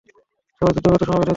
সবাই যুদ্ধ করতে সমবেত হচ্ছে।